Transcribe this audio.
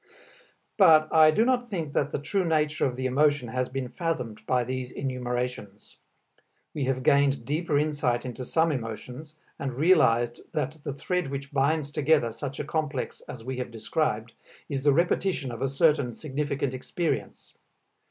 But I do not think that the true nature of the emotion has been fathomed by these enumerations. We have gained deeper insight into some emotions and realize that the thread which binds together such a complex as we have described is the repetition of a certain significant experience.